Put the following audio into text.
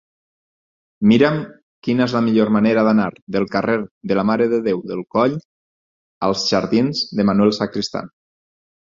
Mira'm quina és la millor manera d'anar del carrer de la Mare de Déu del Coll als jardins de Manuel Sacristán.